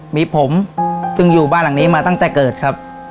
มีผมซึ่งอยู่บ้านหลังนี้มาตั้งแต่เกิดครับ